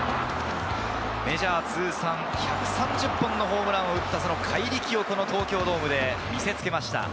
メジャー通算１３０本のホームランを打った怪力を東京ドームで見せ付けました。